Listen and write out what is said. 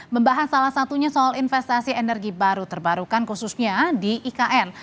membahas salah satunya soal investasi energi baru terbarukan khususnya di ikn